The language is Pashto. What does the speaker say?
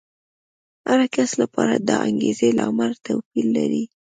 د هر کس لپاره د انګېزې لامل توپیر لري.